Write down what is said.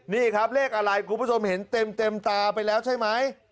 นี่ครับเลขอะไรคุณผู้ชมเห็นเต็มตาไปแล้วใช่ไหม